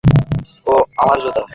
ওহ, আমার জুতা!